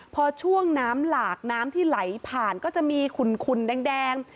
พอช่วงน้ำหลากน้ำที่ไหลผ่านก็จะมีขุนแดง